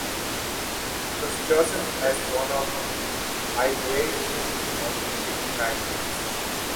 It was chosen as one of "By the Way"'s "Allmusic Track Picks".